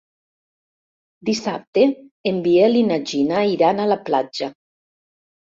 Dissabte en Biel i na Gina iran a la platja.